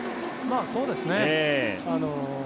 そうですね。